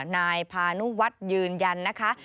นายพานุวัฒน์ยืนยันนะคะ